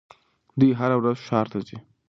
دوی هره ورځ ښار ته ځي.